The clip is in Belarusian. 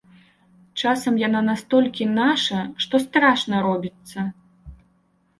Часам яна настолькі наша, што страшна робіцца.